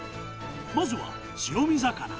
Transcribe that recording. まずは白身魚。